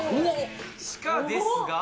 地下ですが。